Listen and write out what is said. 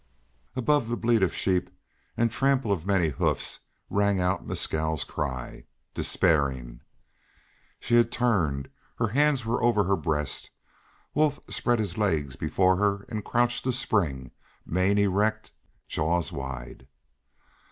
Above the bleat of sheep and trample of many hoofs rang out Mescal's cry, despairing. She had turned, her hands over her breast. Wolf spread his legs before her and crouched to spring, mane erect, jaws wide.